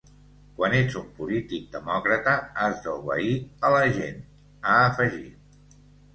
Quan ets un polític demòcrata has d’obeir a la gent, ha afegit.